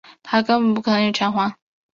他根本不可能有钱还